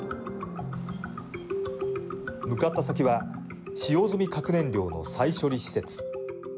向かった先は使用済み核燃料の再処理施設。